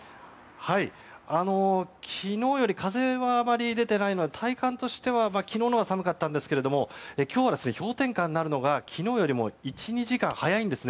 昨日より風はあまり出ていないんですが体感としては昨日のほうが寒かったんですけれども今日は氷点下になるのが昨日よりも１２時間早いんですね。